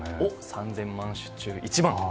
３０００万種中、１万。